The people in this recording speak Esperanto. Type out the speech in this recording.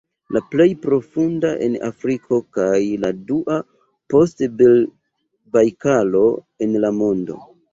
La plej profunda en Afriko kaj la dua post Bajkalo en la mondo.